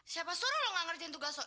siapa suruh lo ngerjain tugas lo